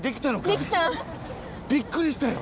びっくりしたよ。